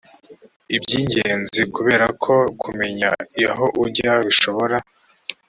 iby’ingenzi kubera ko kumenya aho ujya bishobora